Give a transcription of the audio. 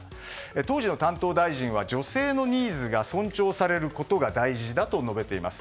当時の担当大臣は女性のニーズが尊重されることが大事だと述べています。